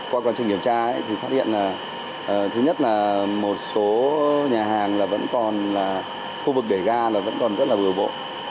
qua quan trọng nghiệp tra thì phát hiện là thứ nhất là một số nhà hàng là vẫn còn là khu vực để ga là vẫn còn rất là bừa bộ